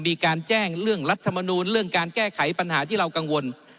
มีการแจ้งเรื่องรัฐมนูลเรื่องการแก้ไขปัญหาที่เรากังวล